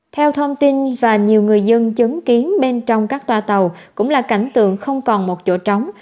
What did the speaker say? theo thông tin và nhiều người dân chứng kiến bên trong các toa tàu cũng là cảnh tượng không còn một chỗ trống